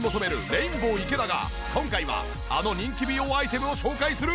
レインボー池田が今回はあの人気美容アイテムを紹介する！